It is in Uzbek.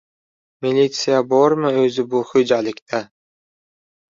— Militsiya bormi o‘zi bu xo‘jalikda!